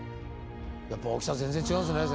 やっぱり大きさ全然違うんですね